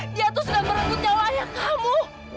dia tuh sudah merenggut nyawa ayah kamu